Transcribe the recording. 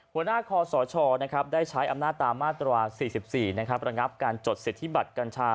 หัวหน้าคอสชได้ใช้อำนาจตามมาตรา๔๔ระงับการจดสิทธิบัตรกัญชา